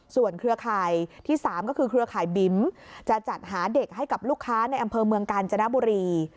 ส่วนเครือข่ายที่๓ก็คือเครือข่ายบิ๋มจะจัดหาเด็กให้กับลูกค้าในอำเภอเมืองกาญจนบุรี